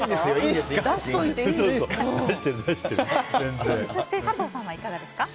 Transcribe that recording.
そして、佐藤さんはいかがですか？